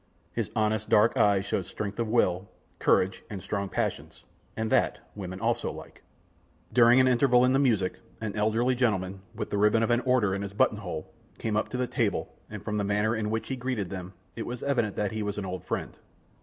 His honest, dark eyes showed strength of will, courage and strong passions, and that, women also like. During an interval in the music, an elderly gentleman, with the ribbon of an order in his button hole, came up to the table, and from the manner in which he greeted them, it was evident that he was an old friend.